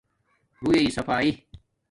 روح کی صفایݵ